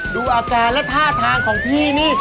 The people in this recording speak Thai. ดูอาการและท่าทางของพี่นี่